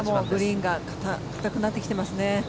グリーンが硬くなってきています。